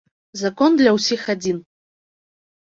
Закон для ўсіх адзін.